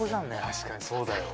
確かにそうだよ。